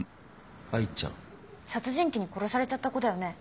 殺人鬼に殺されちゃった子だよね？